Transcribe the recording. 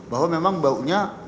bahwa memang baunya